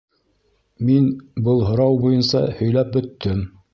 Мин был һорау буйынса һөйләп бөттөм